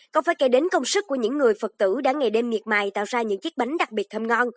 còn phải kể đến công sức của những người phật tử đã ngày đêm miệt mài tạo ra những chiếc bánh đặc biệt thơm ngon